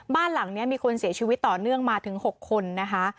บ้านหลังนี้มีคนเสียชีวิตต่อเนื่องมาถึง๖คนนะคะ